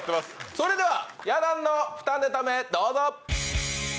それではや団の２ネタ目どうぞ！